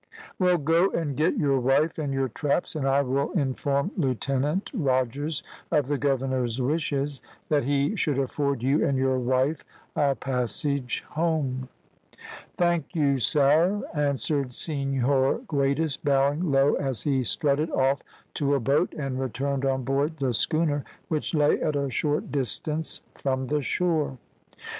"Well, go and get your wife and your traps, and I will inform Lieutenant Rogers of the governor's wishes, that he should afford you and your wife a passage home." "Thank you, sare," answered Senhor Guedes, bowing low as he strutted off to a boat, and returned on board the schooner, which lay at a short distance from the shore.